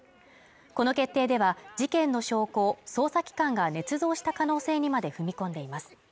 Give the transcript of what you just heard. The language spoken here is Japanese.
この決定では、事件の証拠を捜査機関が捏造した可能性にまで踏み込んでいます。